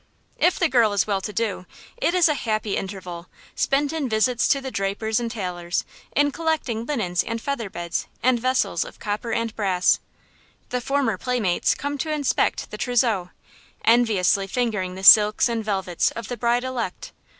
[Illustration: HEDER (HEBREW SCHOOL) FOR BOYS IN POLOTZK] If the girl is well to do, it is a happy interval, spent in visits to the drapers and tailors, in collecting linens and featherbeds and vessels of copper and brass. The former playmates come to inspect the trousseau, enviously fingering the silks and velvets of the bride elect.